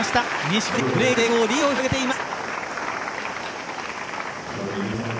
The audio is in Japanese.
錦織、ブレークに成功リードを広げています。